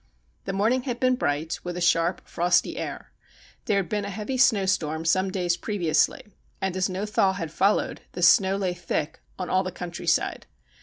The morning had been bright, with a sharp, frosty air. There had been a heavy snowstorm some days previously, and, as no thaw had followed, the snow lay thick on all the country side.